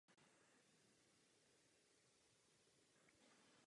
Je rozšířen výhradně ve Středomoří a na Kanárských ostrovech.